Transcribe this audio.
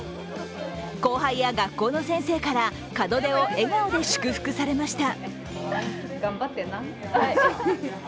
後輩や学校の先生から門出を笑顔で祝福されました。